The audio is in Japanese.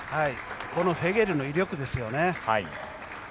このフェゲルの威力ですよね。